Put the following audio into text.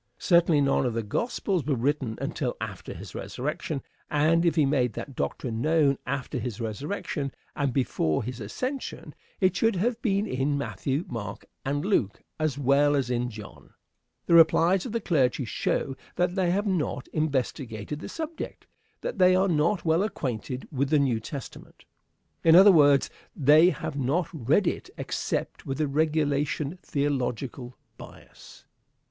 Certainly none of the gospels were written until after his resurrection; and if he made that doctrine known after his resurrection, and before his ascension, it should have been in Matthew, Mark, and Luke, as well as in John. The replies of the clergy show that they have not investigated the subject; that they are not well acquainted with the New Testament. In other words, they have not read it except with the regulation theological bias.